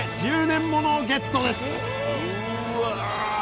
１０年ものをゲットです！